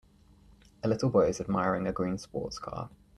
A little boy is admiring a green sports car.